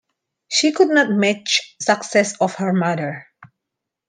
She could not match success of her mother.